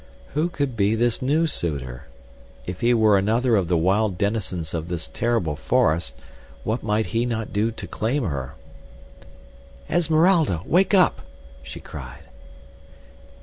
Who could be this new suitor? If he were another of the wild denizens of this terrible forest what might he not do to claim her? "Esmeralda! Wake up," she cried.